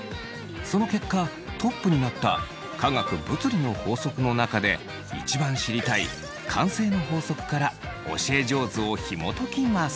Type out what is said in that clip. その結果トップになった科学・物理の法則の中で一番知りたい慣性の法則から教え上手をひもときます。